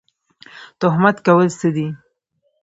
تهمت کول څه دي؟